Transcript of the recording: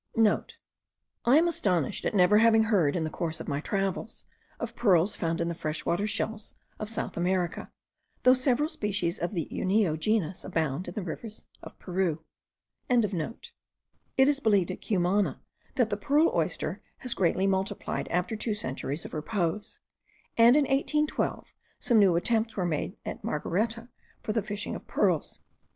*(* I am astonished at never having heard, in the course of my travels, of pearls found in the fresh water shells of South America, though several species of the Unio genus abound in the rivers of Peru.) It is believed at Cumana, that the pearl oyster has greatly multiplied after two centuries of repose; and in 1812, some new attempts were made at Margareta for the fishing of pearls.